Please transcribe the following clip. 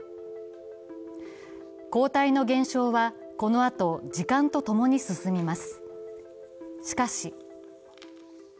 抗体の減少はこのあと、時間と共に進みます。